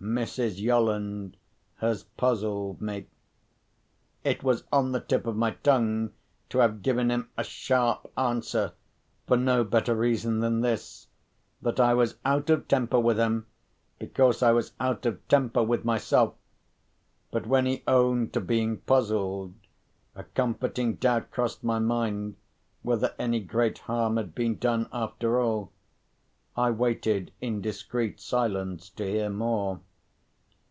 Mrs. Yolland has puzzled me." It was on the tip of my tongue to have given him a sharp answer, for no better reason than this—that I was out of temper with him, because I was out of temper with myself. But when he owned to being puzzled, a comforting doubt crossed my mind whether any great harm had been done after all. I waited in discreet silence to hear more.